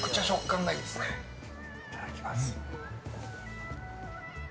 いただきます。